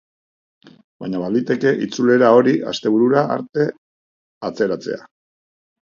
Baina, baliteke itzulera hori asteburura arte atzeratzea.